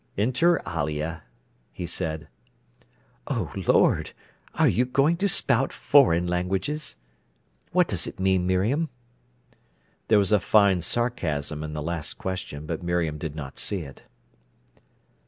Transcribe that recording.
"Inter alia," he said. "Oh, Lord! are you going to spout foreign languages? What does it mean, Miriam?" There was a fine sarcasm in the last question, but Miriam did not see it.